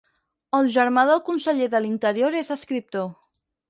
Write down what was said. El germà del conseller de l'Interior és escriptor.